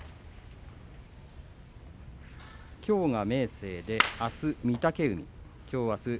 きょうは明生で、あすは御嶽海。